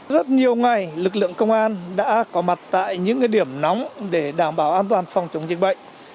rất nhiều ngày lực lượng công an đã có mặt tại những điểm nóng để đảm bảo an toàn phòng chống dịch bệnh